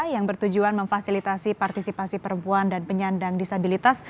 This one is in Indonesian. yang bertujuan memfasilitasi partisipasi perempuan dan penyandang disabilitas